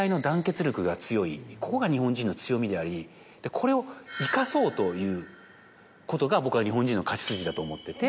ここが日本人の強みでありこれを生かそうということが僕は日本人の勝ち筋だと思ってて。